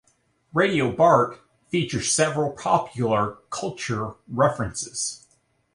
"Radio Bart" features several popular culture references.